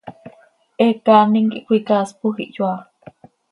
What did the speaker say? He caanim quih cöicaaspoj ihyoaa.